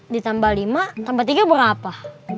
ditambah lima tambah tiga berapa